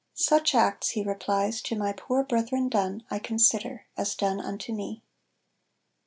"Such acts," He replies, "to my poor brethren done, I consider as done unto me." Nov.